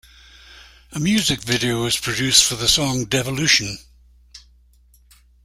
A music video was produced for the song Devilution.